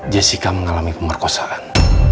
jessica mengalami pemerkosaan